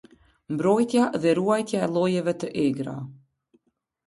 Mbrojtja dhe ruajtja e llojeve të egra.